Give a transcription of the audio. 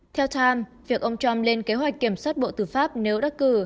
theo time việc ông trump lên kế hoạch kiểm soát bộ tử pháp nếu đắc cử